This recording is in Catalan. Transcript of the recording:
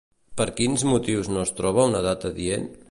Per quins motius no es troba una data adient?